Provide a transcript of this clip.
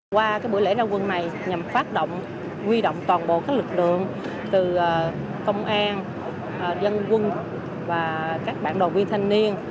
qua buổi lễ ra quân này nhằm phát động quy động toàn bộ các lực lượng từ công an dân quân và các bạn đoàn viên thanh niên